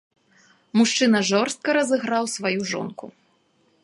Мужчына жорстка разыграў сваю жонку.